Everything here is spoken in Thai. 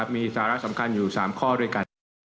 มีศาลักษณ์สำคัญอยู่๓ข้อด้วยกัน